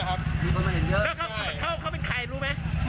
แล้วเขาเป็นใครรู้ไหม